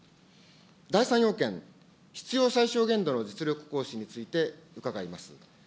第３要件、必要最小限度の実力行使について、伺います。